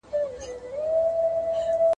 • په خره ئې وس نه رسېدی، پر پالانه ئې راواچول.